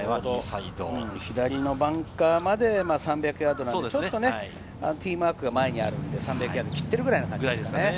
左のバンカーまで３００ヤードなので、ティーマークが前にあるので３００ヤードを切っているくらい。